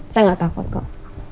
saya gak takut kok